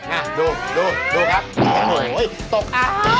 น่ะดูดูครับโอ๊ยตกอ้าวตกอ้าว